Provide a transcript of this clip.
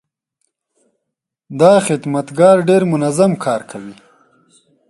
دا خدمتګر ډېر منظم کار کوي.